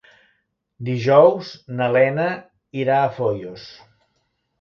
Dijous na Lena irà a Foios.